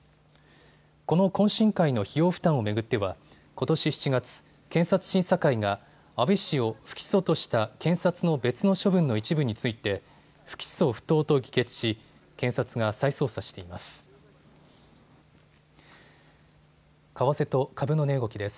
この懇親会の費用負担を巡ってはことし７月、検察審査会が安倍氏を不起訴とした検察の別の処分の一部について不起訴不当と議決し検察が再捜査しています。